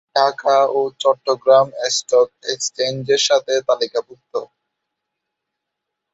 ঢাকা ও চট্টগ্রাম স্টক এক্সচেঞ্জের সাথে তালিকাভুক্ত।